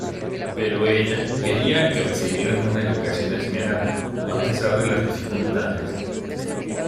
Pero ella quería que recibieran una educación esmerada, a pesar de las dificultades.